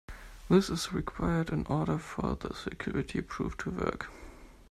This is required in order for the security proof to work.